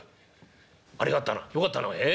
ありがったなよかったなええ？